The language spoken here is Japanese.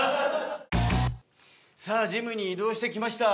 さあジムに移動してきました。